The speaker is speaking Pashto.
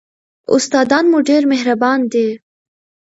استادان مو ډېر مهربان دي.